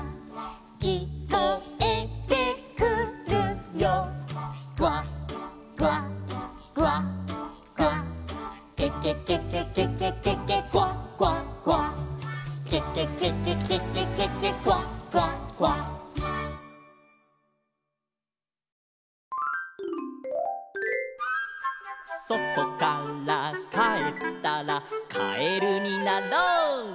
「きこえてくるよ」「クワクワクワクワ」「ケケケケケケケケクワクワクワ」「ケケケケケケケケクワクワクワ」「そとからかえったらカエルになろう」